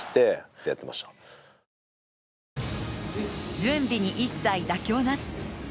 準備に一切妥協なし。